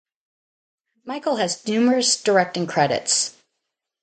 Michael has numerous directing credits.